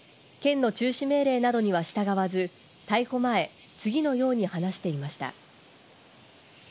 県の中止命令などには従わず、逮捕前、次のように話していました。